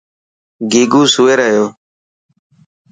گيگو سوئي رهيو.